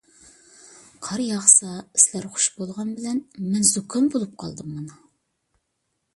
قار ياغسا سىلەر خۇش بولغان بىلەن، مەن زۇكام بولۇپ قالدىم مانا.